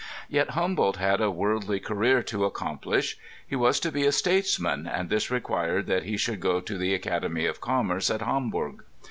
Yet Humboldt had a worlaly career to accomplish. He was to be a statesman, and this required that he should go to the Academy of Commerce at Hamourg.